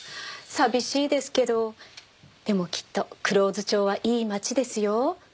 寂しいですけどでもきっと黒水町はいい町ですよ。